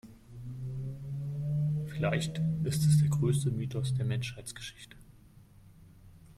Vielleicht ist es der größte Mythos der Menschheitsgeschichte.